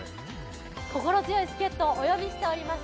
心強い助っとをお呼びしております。